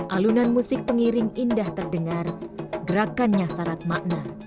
alunan musik pengiring indah terdengar gerakannya syarat makna